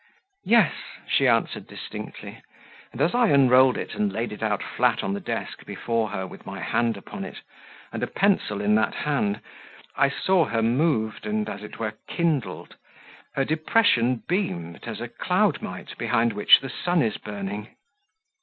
"Yes," she answered distinctly; and as I unrolled it and laid it out flat on the desk before her with my hand upon it, and a pencil in that hand, I saw her moved, and, as it were, kindled; her depression beamed as a cloud might behind which the sun is burning.